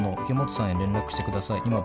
池本さんへ連絡してください』」